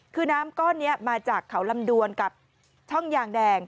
คือน้ำก้อนนี้มาจากเขาลำดวนกับช่องยางแดง